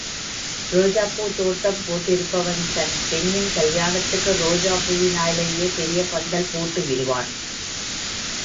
ரோஜாப்பூத் தோட்டம் போட்டிருப்பவன் தன் பெண்ணின் கல்யாணத்துக்கு ரோஜாப் பூவினாலேயே பெரிய பந்தல் போட்டு விடுவான்.